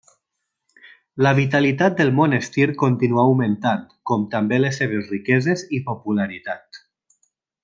La vitalitat del monestir continuà augmentant, com també les seves riqueses i popularitat.